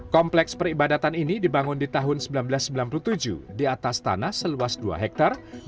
kompleks peribadatan ini dibangun di tahun seribu sembilan ratus sembilan puluh tujuh di atas tanah seluas dua hektare